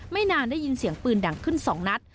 ไม่นานได้ยินเสียงปืนดังขึ้น๒นัด